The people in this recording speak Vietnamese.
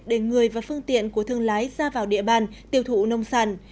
để người và phương tiện của thương lái ra vào địa bàn tiêu thụ nông sản